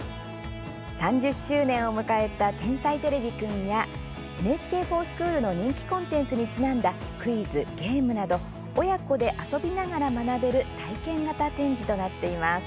３０周年を迎えた「天才てれびくん」や「ＮＨＫｆｏｒＳｃｈｏｏｌ」の人気コンテンツにちなんだクイズ、ゲームなど親子で遊びながら学べる体験型展示となっています。